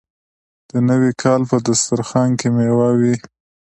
د نوي کال په دسترخان کې میوه وي.